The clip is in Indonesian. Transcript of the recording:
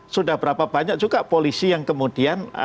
sudah berapa banyak juga polisi yang kemudian